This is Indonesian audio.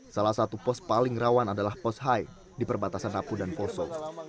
salah satu pos paling rawan adalah pos hai di perbatasan napu dan poso